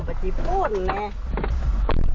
ปัจจีบพูดแหละ